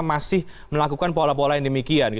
masih melakukan pola pola yang demikian